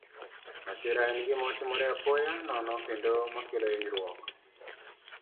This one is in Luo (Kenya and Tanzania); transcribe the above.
Masira en gima timore apoya nono kendo ma kelo hinyruok.